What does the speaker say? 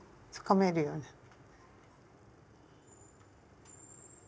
つかめるように。